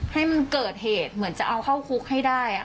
ให้มันเกิดเหตุเหมือนจะเอาเข้าคุกให้ได้